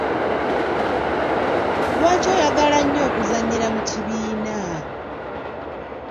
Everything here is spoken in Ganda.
Lwaki oyagala nnyo okuzannyira mu kibiina?